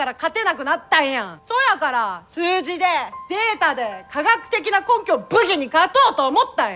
そやから数字でデータで科学的な根拠を武器に勝とうと思ったんや。